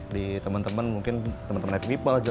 di teman teman mungkin teman teman net people